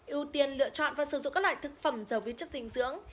ưu tiên lựa chọn và sử dụng các loại thực phẩm giàu viên chất dinh dưỡng